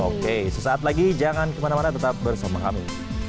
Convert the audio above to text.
oke sesaat lagi jangan kemana mana tetap bersama kami